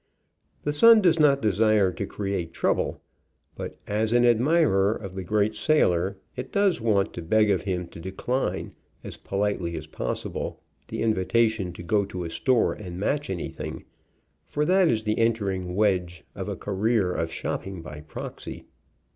The Sun does not desire to create trouble, but as an admirer of the great sailor it does want to beg of him to decline, as politely as possible, the in vitation to go to a store and match anything, for that is the entering wedge of a career of shopping by proxy.